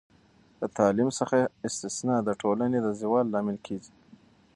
د تعلیم څخه استثنا د ټولنې د زوال لامل کیږي.